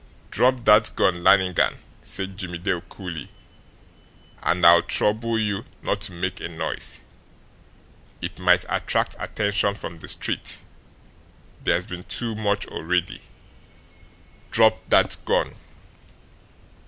"Drop that gun, Lannigan!" said Jimmie Dale coolly. "And I'll trouble you not to make a noise; it might attract attention from the street; there's been too much already. DROP THAT GUN!"